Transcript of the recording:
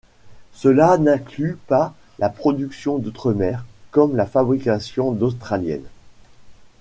Cela n'inclut pas la production d'outre-mer, comme la fabrication Australienne.